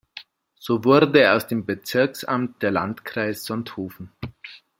So wurde aus dem Bezirksamt der Landkreis Sonthofen.